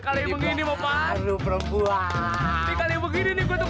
kali begini mau baru perempuan kali begini gue